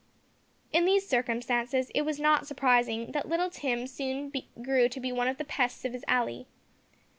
In these circumstances, it was not surprising that little Tim soon grew to be one of the pests of his alley.